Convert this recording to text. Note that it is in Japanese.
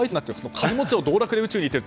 金持ちの道楽で宇宙に行っている。